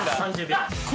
・３０秒。